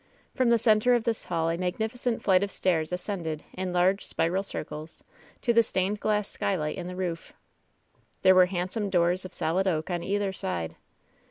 From the center of this hall a mag nificent flight of stairs ascended, in large, spiral circles, to the stained glass skylight in the roof. 284 LOVE'S BITTEREST CUP There were handsome doors of solid oak on either side.